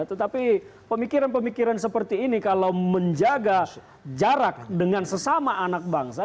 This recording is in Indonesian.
tetapi pemikiran pemikiran seperti ini kalau menjaga jarak dengan sesama anak bangsa